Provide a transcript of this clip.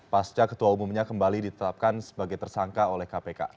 pasca ketua umumnya kembali ditetapkan sebagai tersangka oleh kpk